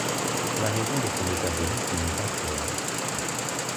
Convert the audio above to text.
La raison de ce métabolisme n'est pas claire.